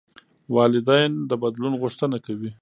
والدین د بدلون غوښتنه کوي.